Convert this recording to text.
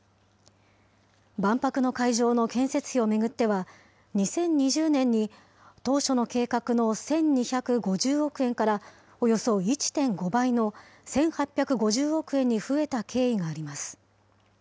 万博の会場の建設費を巡っては、２０２０年に、当初の計画の１２５０億円から、およそ１．５倍の１８５０億円に増えた経緯があります。